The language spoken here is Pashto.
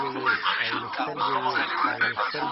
حامله ښځې باید دروند کار ونه کړي.